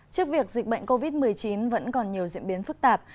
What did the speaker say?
trước việc dịch bệnh covid một mươi chín vẫn còn nhiều diễn biến phức tạp